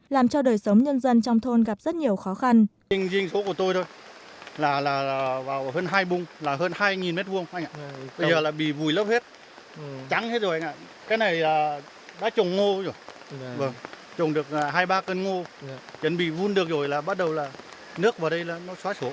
làm cho đời sống nhân dân trong thôn gặp rất nhiều khó khăn